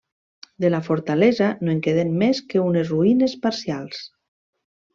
De la fortalesa no en queden més que unes ruïnes parcials.